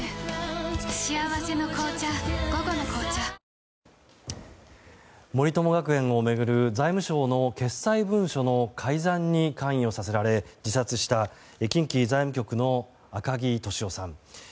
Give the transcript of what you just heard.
ＪＴ森友学園を巡る財務省の決裁文書の改ざんに関与させられ、自殺した近畿財務局の赤木俊夫さん。